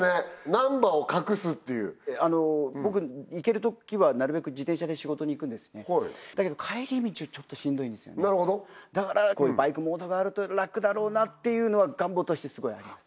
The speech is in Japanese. ナンバーを隠すっていう僕行ける時はなるべく自転車で仕事に行くんですねだけど帰り道はちょっとしんどいんですだからバイクモードがあると楽だろうなっていうのは願望としてすごいあります